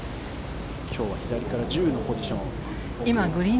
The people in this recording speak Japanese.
今日は左から１０のポジション。